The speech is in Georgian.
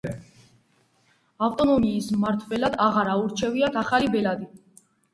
ავტონომიის მმართველად აღარ აურჩევიათ ახალი ბელადი.